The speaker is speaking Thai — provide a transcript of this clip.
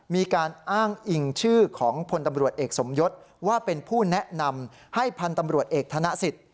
มีการอ้างอิงชื่อของพลตำรวจเอกสมยศว่าเป็นผู้แนะนำให้พันธุ์ตำรวจเอกธนสิทธิ